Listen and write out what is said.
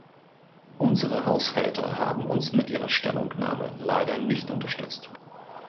Unsere Haushälter haben uns mit ihrer Stellungnahme leider nicht unterstützt.